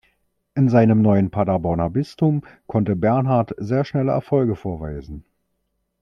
In seinem neuen Paderborner Bistum konnte Bernhard sehr schnelle Erfolge vorweisen.